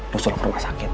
lusul rumah sakit